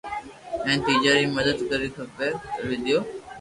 ھين شيجا ري مدد ڪرو ھين ڪروا ديئو